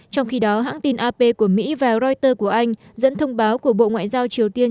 trong khi đó hãng tin ap của mỹ và reuters của anh dẫn thông báo của bộ ngoại giao triều tiên